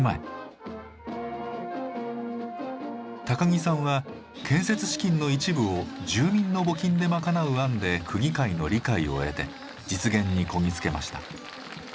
木さんは建設資金の一部を住民の募金で賄う案で区議会の理解を得て実現にこぎ着けました。